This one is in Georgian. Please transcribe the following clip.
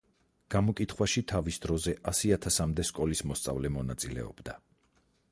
გამოკითხვაში თავის დროზე ასიათასამდე სკოლის მოსწავლე მონაწილეობდა.